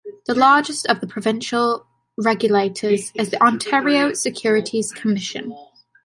The largest of the provincial regulators is the Ontario Securities Commission.